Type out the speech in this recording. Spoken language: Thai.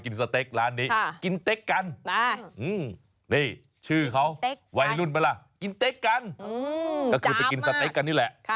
นี่ล่ะ